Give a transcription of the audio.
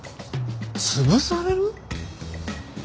潰される！？